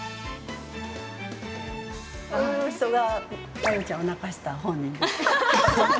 この人が真由ちゃんを泣かした本人です。